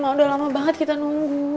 wah udah lama banget kita nunggu